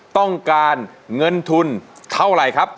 ต้องการเงินทุนเท่าไหร่ครับ